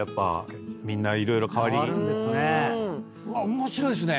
面白いっすね